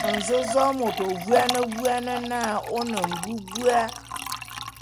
Nzōzôé môt ô vuane vuane na ô ne mbubua.